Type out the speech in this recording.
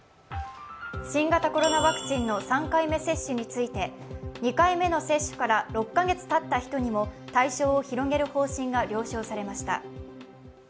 新型コロナワクチンの３回目接種について２回目の接種から６カ月たった人にも対象を広げる方針が了承されました。